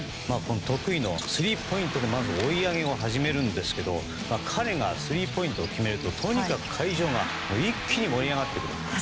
得意のスリーポイントで追い上げを始めるんですが彼がスリーポイントを決めるととにかく会場が一気に盛り上がってくる。